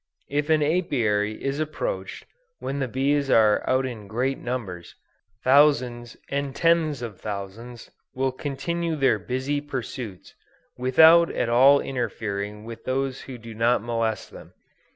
If an Apiary is approached when the bees are out in great numbers, thousands and tens of thousands will continue their busy pursuits without at all interfering with those who do not molest them.